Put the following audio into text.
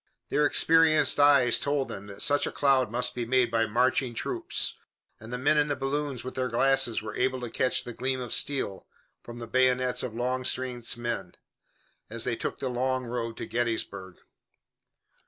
Their experienced eyes told them that such a cloud must be made by marching troops, and the men in the balloons with their glasses were able to catch the gleam of steel from the bayonets of Longstreet's men as they took the long road to Gettysburg.